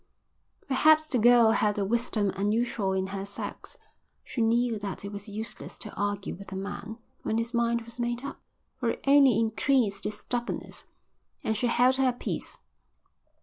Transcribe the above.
Perhaps the girl had a wisdom unusual in her sex. She knew that it was useless to argue with a man when his mind was made up, for it only increased his stubbornness, and she held her peace.